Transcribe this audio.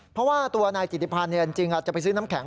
เพราะว่าตัวนายจิติพันธ์จริงจะไปซื้อน้ำแข็ง